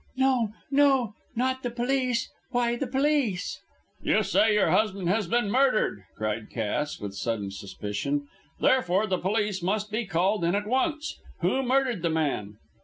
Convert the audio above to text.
"No, no, not the police! Why the police?" "You say your husband has been murdered," cried Cass, with sudden suspicion; "therefore the police must be called in at once. Who murdered the man?"